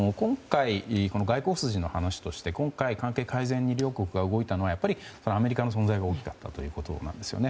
外交筋の話として今回、関係改善に両国が動いたのはやっぱり、アメリカの存在が大きかったということですね。